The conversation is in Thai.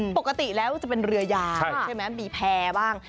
ปกติแล้วจะเป็นเรือยาวใช่ไหมมีแพร่บ้าง